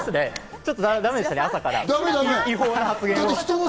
ダメでしたね、朝から違法な発言を。